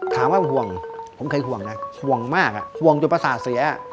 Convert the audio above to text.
ถามว่าห่วงผมเคยห่วงนะห่วงมากห่วงจนประสาทเสีย